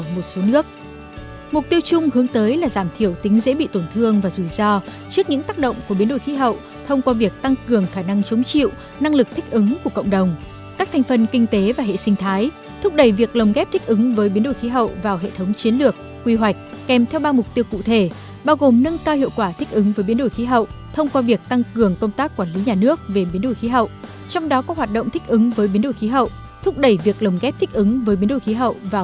mục tiêu chung hướng tới là giảm thiểu tính dễ bị tổn thương và rủi ro trước những tác động của biến đổi khí hậu thông qua việc tăng cường khả năng chống chịu năng lực thích ứng của cộng đồng các thành phần kinh tế và hệ sinh thái thúc đẩy việc lồng ghép thích ứng với biến đổi khí hậu vào hệ thống chiến lược quy hoạch kèm theo ba mục tiêu cụ thể bao gồm nâng cao hiệu quả thích ứng với biến đổi khí hậu thông qua việc tăng cường công tác quản lý nhà nước về biến đổi khí hậu trong đó có hoạt động thích ứng với biến đổi khí hậu